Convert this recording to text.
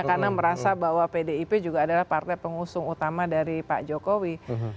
karena merasa bahwa pdip juga adalah partai pengusung utama dari pak jokowi